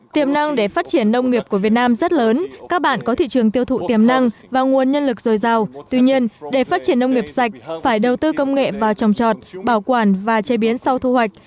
tiềm năng để phát triển nông nghiệp của việt nam rất lớn các bạn có thị trường tiêu thụ tiềm năng và nguồn nhân lực dồi dào tuy nhiên để phát triển nông nghiệp sạch phải đầu tư công nghệ vào trồng trọt bảo quản và chế biến sau thu hoạch